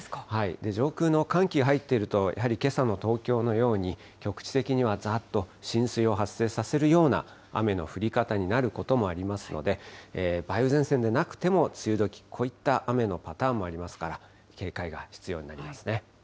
上空の寒気入っていると、やはりけさの東京のように、局地的にはざーっと、浸水を発生させるような雨の降り方になることもありますので、梅雨前線でなくても梅雨どき、こういった雨のパターンもありますから、警戒が必要になりますね。